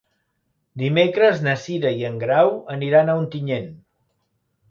Dimecres na Cira i en Grau aniran a Ontinyent.